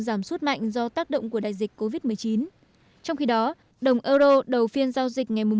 giảm suất mạnh do tác động của đại dịch covid một mươi chín trong khi đó đồng euro đầu phiên giao dịch ngày